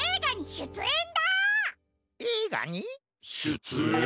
しゅつえん？